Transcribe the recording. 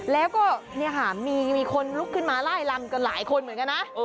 แล้วก็เนี่ยค่ะมีคนลุกขึ้นมาไล่ลำกันหลายคนเหมือนกันนะ